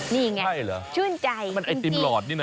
นี่ไงชื่นใจจริงใช่เหรอมันไอติมหลอดนี่นะ